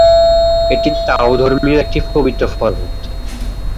এটি তাওধর্মীয় একটি পবিত্র পর্বত।